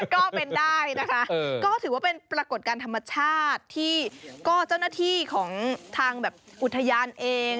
ก็เป็นได้นะคะก็ถือว่าเป็นปรากฏการณ์ธรรมชาติที่ก็เจ้าหน้าที่ของทางแบบอุทยานเอง